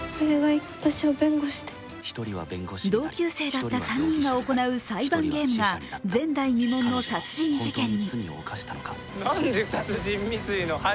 同級生だった３人が行う裁判ゲームが前代未聞の殺人事件に。